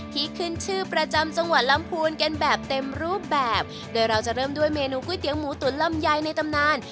ที่ขึ้นชื่อประจำจังหวัดลำพูนกันแบบเต็มรูปแบบโดยเราจะเริ่มด้วยเมนูก๋วยเตี๋ยวหมูตุ๋นลำไยในตำนาน